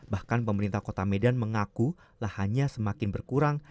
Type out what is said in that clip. bahkan pemerintah kota medan mengaku lahannya semakin berkurang